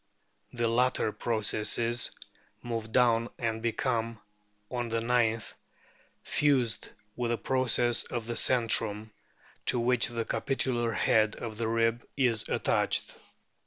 The latter processes move down and become (on the ninth) fused with the process of the centrum, to which the capitular head of the rib is attached.